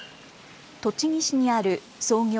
栃木市にある創業